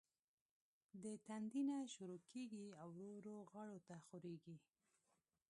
د تندي نه شورو کيږي او ورو ورو غاړو ته خوريږي